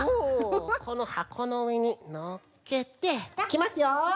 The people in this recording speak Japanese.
このはこのうえにのっけていきますよ！